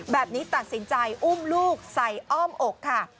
แบบนี้ตัดสินใจอุ้มลูกใส่อ้อมอกค่ะ